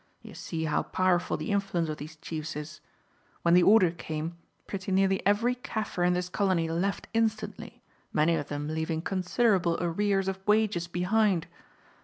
You see how powerful the influence of these chiefs is. When the order came, pretty nearly every Kaffir in this colony left instantly, many of them leaving considerable arrears of wages behind.